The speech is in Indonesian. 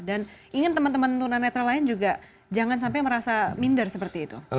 dan ingin teman teman tuna metro lain juga jangan sampai merasa minder seperti itu